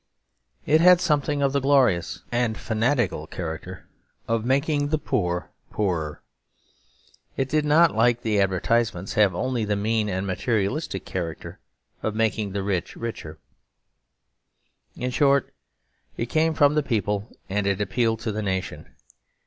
It had something of the glorious and fanatical character of making the poor poorer. It did not, like the advertisements, have only the mean and materialistic character of making the rich richer. In short, it came from the people and it appealed to the nation.